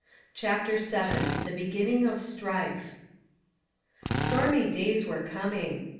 CHAPTER VII THE BEGINNING OF STRIFE Stormy days were coming.